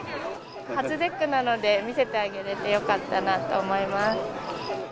初節句なので見せてあげられてよかったなと思います。